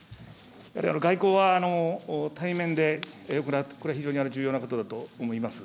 外交は対面で行う、これは非常に重要なことだと思います。